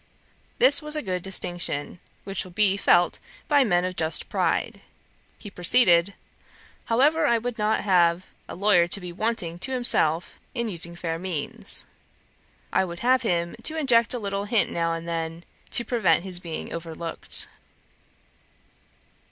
This was a good distinction, which will be felt by men of just pride. He proceeded: 'However, I would not have a lawyer to be wanting to himself in using fair means. I would have him to inject a little hint now and then, to prevent his being overlooked.'